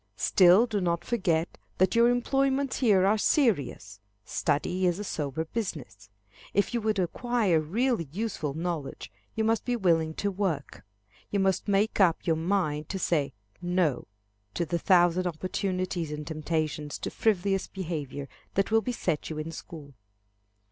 Still do not forget that your employments here are serious. Study is a sober business. If you would acquire really useful knowledge, you must be willing to work. You must make up your mind to say "no" to the thousand opportunities and temptations to frivolous behavior that will beset you in school.